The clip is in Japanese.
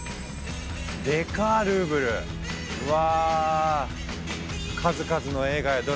デカルーブルうわ。